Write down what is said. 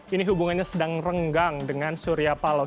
ini hubungannya sedang renggang dengan surya paloh